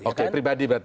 oke pribadi berarti